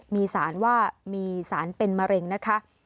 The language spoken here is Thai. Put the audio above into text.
มีสารว่ามีสารเป็นมะเร็งนะคะ